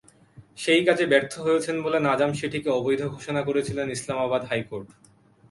সেই কাজে ব্যর্থ হয়েছেন বলে নাজাম শেঠিকে অবৈধ ঘোষণা করেছিলেন ইসলামাবাদ হাইকোর্ট।